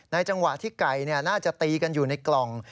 จังหวะที่ไก่น่าจะตีกันอยู่ในกล่อง